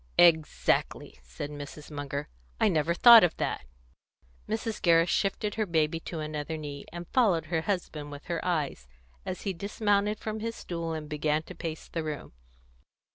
"Exactly," said Mrs. Munger. "I never thought of that." Mrs. Gerrish shifted her baby to another knee, and followed her husband with her eyes, as he dismounted from his stool and began to pace the room.